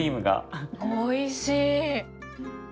おいしい。